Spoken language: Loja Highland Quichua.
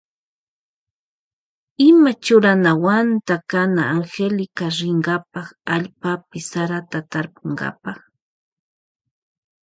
Ima churanawanta kana Angélica rinkapa allpapi sarata tarpunkapa.